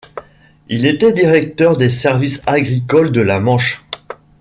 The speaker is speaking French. Il était directeur des services agricoles de la Manche.